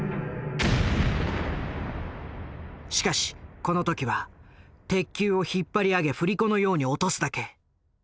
しかしこの時は鉄球を引っ張り上げ振り子のように落とすだけ。